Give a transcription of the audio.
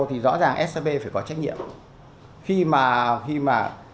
thì rõ ràng shb phải có trách nhiệm